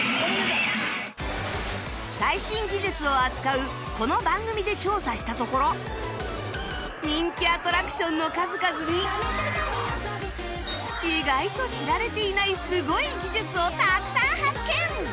最新技術を扱うこの番組で調査したところ人気アトラクションの数々に意外と知られていないスゴい技術をたくさん発見！